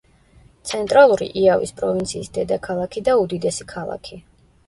ცენტრალური იავის პროვინციის დედაქალაქი და უდიდესი ქალაქი.